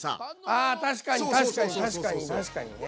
あ確かに確かに確かに確かにね。